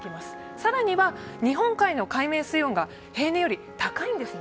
更には日本海の海面水温が平年より高いんですね。